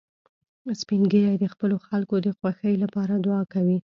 سپین ږیری د خپلو خلکو د خوښۍ لپاره دعا کوي